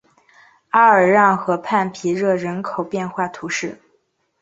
阿尔让河畔皮热人口变化图示